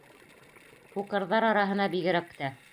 Һуҡырҙар араһына бигерәк тә.